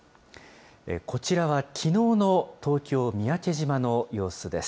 こちらはきのうの東京・三宅島の様子です。